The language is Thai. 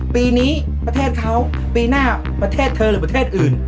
ปีนี้ประเทศเขาปีหน้าประเทศเธอหรือประเทศอื่น